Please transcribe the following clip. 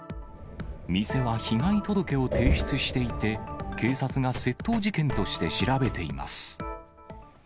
店は被害届を提出していて、警察が窃盗事件として調べています。